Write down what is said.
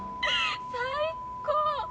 最高！